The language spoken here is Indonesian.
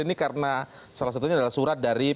ini karena salah satunya adalah surat dari